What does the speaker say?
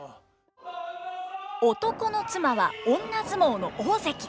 男の妻は女相撲の大関。